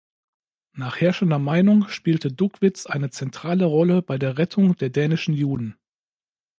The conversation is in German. Nach herrschender Meinung spielte Duckwitz eine zentrale Rolle bei der Rettung der dänischen Juden.